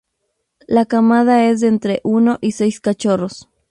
La camada es de entre uno y seis cachorros.